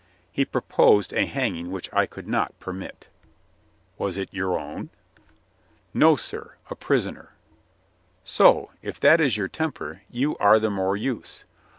"He proposed a hanging which I could not per mit." "Was it your own?" "No, sir; a prisoner." "So. If that is your temper, you are the more use.